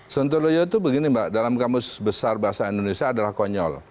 sontoloyo itu begini mbak dalam kamus besar bahasa indonesia adalah konyol